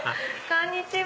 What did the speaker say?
こんにちは。